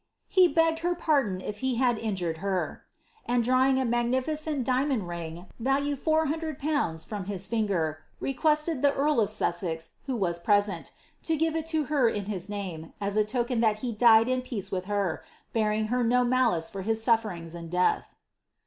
^ he begged her pardon if he had injured her,^^ and drawing a magnificent diamond ring, value four hundred pounds, from his finger, requested the eari of Sussex, who was present, to give it to her in his name, as a token that he died in peace with her, bearing her no malice for his sufferings and death.'